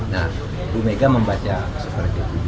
nah bumega membaca seperti itu